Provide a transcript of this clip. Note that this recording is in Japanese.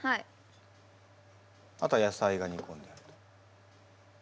あとは野菜がにこんであると。